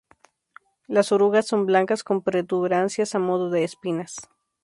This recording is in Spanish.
Las orugas son blancas con protuberancias a modo de espinas.